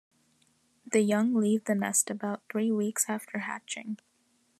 The young leave the nest about three weeks after hatching.